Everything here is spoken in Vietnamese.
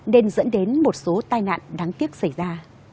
nên dẫn đến một số tai nạn đáng tiếc xảy ra